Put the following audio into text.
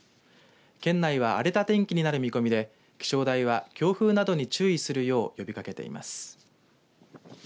県内は荒れた天気になる見込みで気象台は強風などに注意するよう呼びかけています。